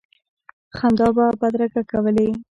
خندا به بدرګه کولې.